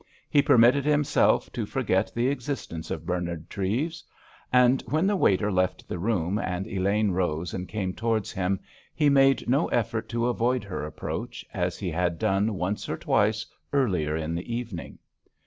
He permitted himself to forget the existence of Bernard Treves. And when the waiter left the room, and Elaine rose and came towards him, he made no effort to avoid her approach, as he had done once or twice earlier in the evening.